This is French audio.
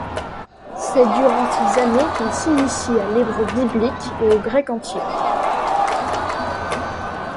C'est durant ces années qu'il s'initie à l'hébreu biblique et au grec antique.